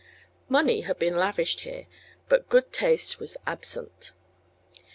Money had been lavished here, but good taste was absent.